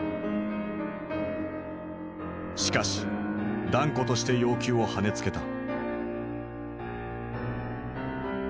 しかし断固として要求をはねつけた。